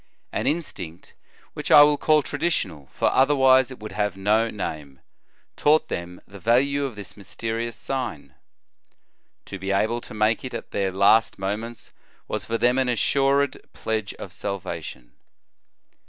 An instinct, which I will call traditional, for otherwise it would have no name, taught them the value of this mysterious sign. To be able to make it at their last moments was for them an assured pledge of salvation.